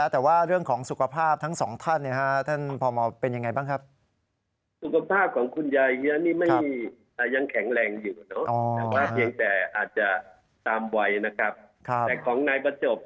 คนที่๓อยู่สุทธิพย์คนที่๔อยู่สุทธิพย์คนที่๔อยู่สุทธิพย์